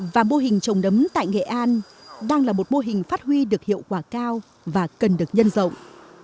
và mô hình trồng nấm tại nghệ an đang là một mô hình phát huy được hiệu quả cao và cần được nhân rộng